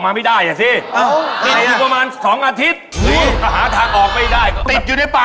เอาไม้เสียหมู